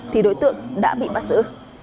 thì đối tượng đã bị bắt xử